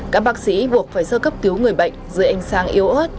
các bác sĩ buộc phải sơ cấp cứu người bệnh dưới ánh sáng yếu ớt